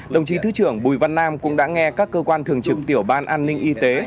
đồng chí thứ trưởng bùi văn nam cũng đã nghe các cơ quan thường trực tiểu ban an ninh y tế